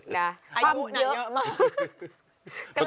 น่าความเยอะคุณก็จะถามเลยอายุหน่อยเยอะมาก